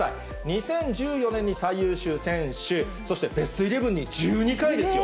２０１４年に最優秀選手、そしてベストイレブンに１２回ですよ。